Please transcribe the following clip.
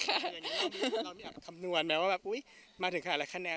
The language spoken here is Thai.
อย่างนี้เรามีคำนวณแม้ว่ามาถึงขนาดไรคะแนน